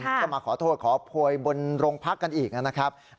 ก็มาขอโทษขอโพยบนโรงพักกันอีกนะครับ